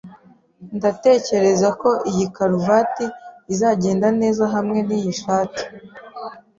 Ndatekereza ko iyi karuvati izagenda neza hamwe niyi shati